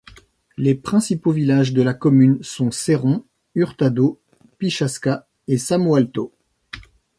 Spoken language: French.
Les principaux villages de la commune sont Seron, Hurtado, Pichasca et Samo Alto.